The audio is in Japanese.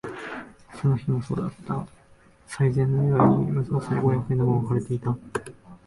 その日もそうだった。賽銭のように無造作に五百円玉が置かれていた。